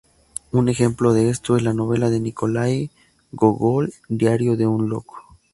Un ejemplo de esto es la novela de Nikolái Gógol, "Diario de un loco".